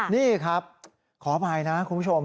นี่ครับขออภัยนะคุณผู้ชม